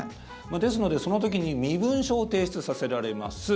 ですので、その時に身分証を提出させられます。